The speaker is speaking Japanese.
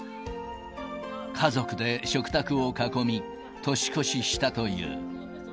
家族で食卓を囲み、年越ししたという。